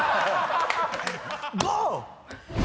ゴー！